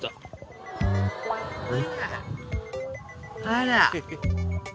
あら。